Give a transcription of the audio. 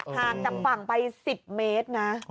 ห่างจากฝั่งไป๑๐เมตรนะ